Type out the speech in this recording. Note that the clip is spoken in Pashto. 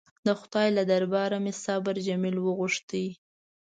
د خدای له درباره مې صبر جمیل وغوښت.